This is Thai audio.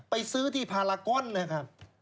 ไปซื้อที่พารากอนนะครับ